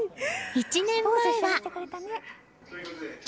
１年前は。